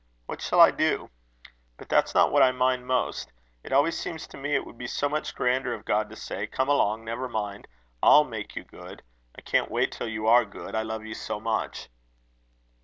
What shall I do? But that's not what I mind most. It always seems to me it would be so much grander of God to say: 'Come along, never mind. I'll make you good. I can't wait till you are good; I love you so much.'"